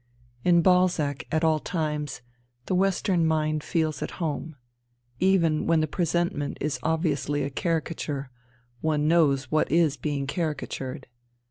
In Balzac, at all times, the western mind feels at home : even when the presentment is obviously a caricature, one knows what is being caricatured.